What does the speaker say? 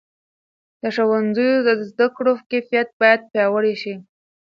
د ښوونځیو د زده کړو کیفیت باید پیاوړی سي.